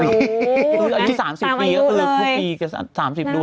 นี่๓๐ปีก็คือปีก็๓๐ดวง